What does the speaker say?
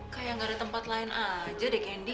kayak enggak ada tempat lain aja deh candy